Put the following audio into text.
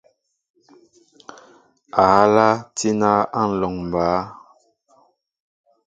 Ahala tína a lɔŋ baá.